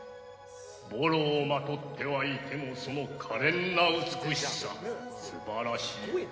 ボロをまとってはいてもその可憐な美しさ、すばらしい。